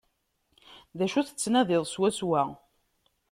D acu tettnadid swaswa?